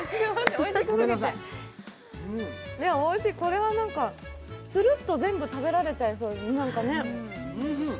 おいしい、これはスルッと全部食べられちゃいそう。